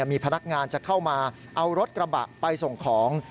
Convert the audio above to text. มีพนักงานจะเข้ามาเอารถกระบะไปส่งของ